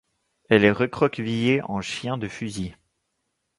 Elle est recroquevillée en chien de fusil.